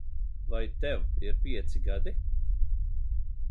Vai tev ir pieci gadi?